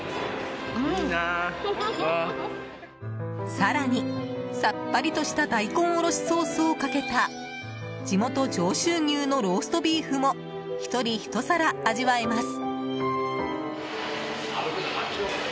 更に、さっぱりとした大根おろしソースをかけた地元・上州牛のローストビーフも１人１皿、味わえます。